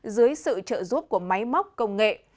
dưới sự trợ giúp của máy móc công nghệ